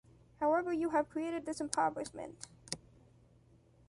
However you have created this impoverishment.